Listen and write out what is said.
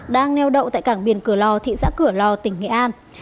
đang neo đậu tại cảng biển cửa lò thị xã cửa lò tỉnh nghệ an